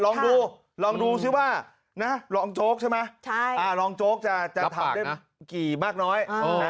ลองดูลองดูซิว่ารองโจ๊กใช่ไหมรองโจ๊กจะทำได้กี่มากน้อย